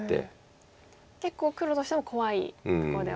結構黒としても怖いところではあるんですか。